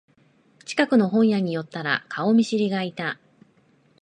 近くの本屋に寄ったら顔見知りがいた